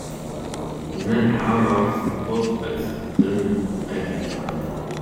Nnan ḥṛam ɣef tmeṭṭut ad teddem agiṭar.